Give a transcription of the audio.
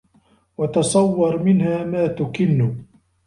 وَتَصَوَّرَ مِنْهَا مَا تُكِنُّ